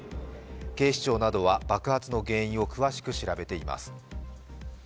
警視庁などは爆発の原因を詳しく調べています。